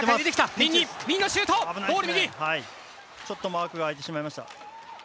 ちょっとマークが空いてしまいました。